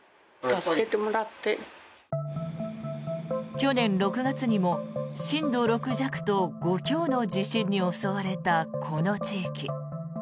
去年６月にも震度６弱と５強の地震に襲われたこの地域。